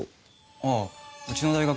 ああうちの大学